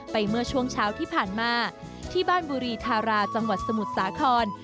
เมื่อช่วงเช้าที่ผ่านมาที่บ้านบุรีธาราจังหวัดสมุทรสาคร